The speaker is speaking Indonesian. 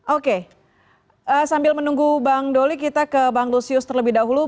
oke sambil menunggu bang doli kita ke bang lusius terlebih dahulu